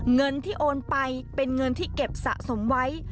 เงินที่โอนไปเป็นเงินที่เก็บสะสมไว้